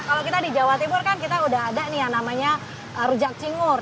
kalau kita di jawa timur kan kita udah ada nih yang namanya rujak cingur